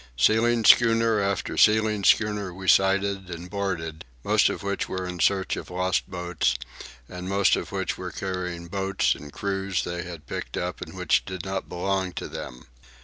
Sealing schooner after sealing schooner we sighted and boarded, most of which were in search of lost boats, and most of which were carrying boats and crews they had picked up and which did not belong to them.